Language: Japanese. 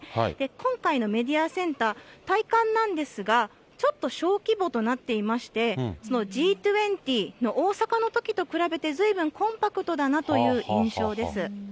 今回のメディアセンター、体感なんですが、ちょっと小規模となっていまして、Ｇ２０の大阪のときと比べて、ずいぶんコンパクトだなという印象です。